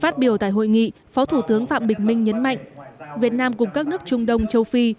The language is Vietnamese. phát biểu tại hội nghị phó thủ tướng phạm bình minh nhấn mạnh việt nam cùng các nước trung đông châu phi